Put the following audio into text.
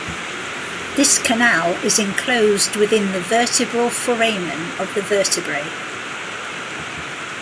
This canal is enclosed within the vertebral foramen of the vertebrae.